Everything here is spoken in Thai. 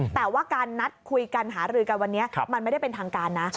แต่ว่าการนัดคุยกันหารือกันวันนี้มันไม่ได้เป็นทางการนะ